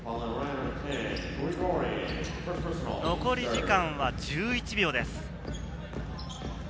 残り時間は１１秒です。